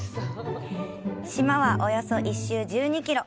島は、およそ一周１２キロ。